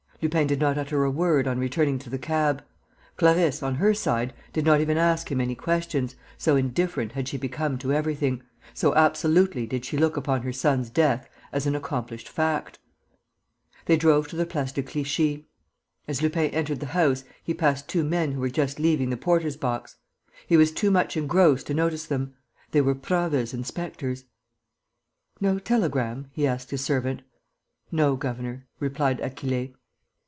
Lupin did not utter a word on returning to the cab. Clarisse, on her side, did not even ask him any questions, so indifferent had she become to everything, so absolutely did she look upon her son's death as an accomplished fact. They drove to the Place de Clichy. As Lupin entered the house he passed two men who were just leaving the porter's box. He was too much engrossed to notice them. They were Prasville's inspectors. "No telegram?" he asked his servant. "No, governor," replied Achille.